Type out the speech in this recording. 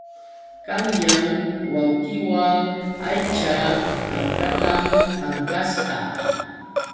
Qanyan wawqiiwan aycha kankatam kankasqa.